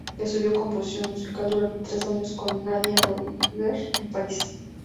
Estudió composición musical durante tres años con Nadia Boulanger en París.